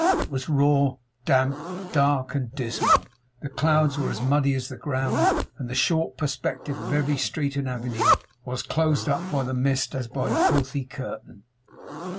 It was raw, damp, dark, and dismal; the clouds were as muddy as the ground; and the short perspective of every street and avenue was closed up by the mist as by a filthy curtain.